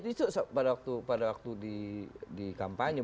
itu pada waktu di kampanye